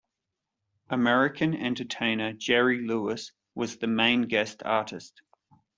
American entertainer Jerry Lewis was the main guest artist.